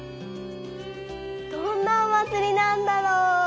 どんなお祭りなんだろう？